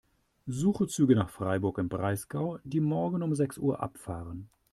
Suche Züge nach Freiburg im Breisgau, die morgen um sechs Uhr abfahren.